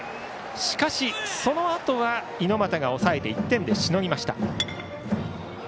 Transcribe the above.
しかし、そのあと猪俣が抑えて１点でしのぎました。